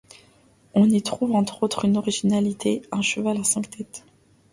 On y trouve entre autres une originalité, un cheval à cinq têtes.